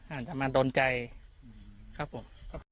อาจจะมาโดนใจครับผม